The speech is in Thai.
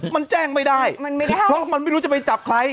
มันแจ้งไม่ได้มันไม่ได้เพราะมันไม่รู้จะไปจับใคร